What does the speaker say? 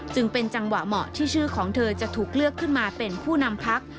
จึงเป็นจังหวะเหมาะที่ชื่อของเธอจะถูกเลือกขึ้นมาเป็นผู้นำพัก